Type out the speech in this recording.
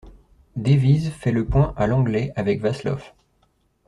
Davies fait le point à Langley avec Vlassov.